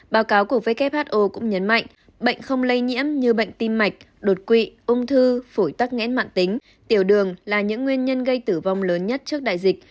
báo cáo của who cũng nhấn mạnh bệnh không lây nhiễm như bệnh tim mạch đột quỵ ung thư phổi tắc nghẽn mạng tính tiểu đường là những nguyên nhân gây tử vong lớn nhất trước đại dịch